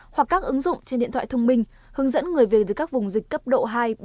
hoặc các ứng dụng trên điện thoại thông minh hướng dẫn người về từ các vùng dịch cấp độ hai bốn